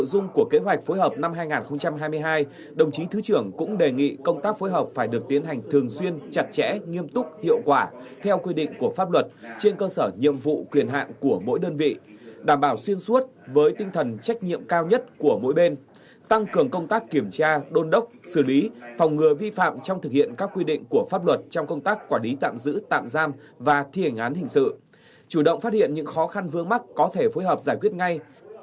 trong kỳ kế hoạch phối hợp năm hai nghìn hai mươi hai đồng chí thứ trưởng cũng đề nghị công tác phối hợp phải được tiến hành thường xuyên chặt chẽ nghiêm túc hiệu quả theo quy định của pháp luật trên cơ sở nhiệm vụ quyền hạn của mỗi đơn vị đảm bảo xuyên suốt với tinh thần trách nhiệm cao nhất của mỗi bên tăng cường công tác kiểm tra đôn đốc xử lý phòng ngừa vi phạm trong thực hiện các quy định của pháp luật trong công tác quản lý tạm giữ tạm giam và thi hành án hình sự chủ động phát hiện những khó khăn vương mắc có thể phối hợp giải quy